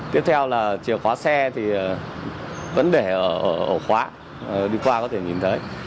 tiếp theo là chìa khóa xe thì vẫn để ở khóa đi qua có thể nhìn thấy